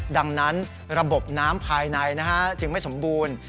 ดังนั้นระบบน้ำภายในจึงไม่สมบูรณ์